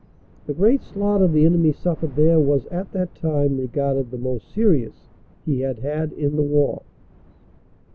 The great slaughter the enemy suffered there was at that time regarded the most serious he had had in the war.